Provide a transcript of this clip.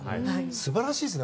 素晴らしいですね。